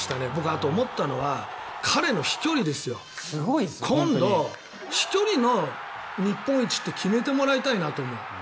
あと、僕思ったのは彼の飛距離ですよ今度飛距離の日本一って決めてもらいたいと思う。